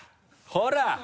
ほら！